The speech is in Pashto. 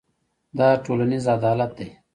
دا ټولنیز عدالت دی.